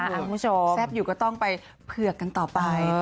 คุณผู้ชมแซ่บอยู่ก็ต้องไปเผือกกันต่อไป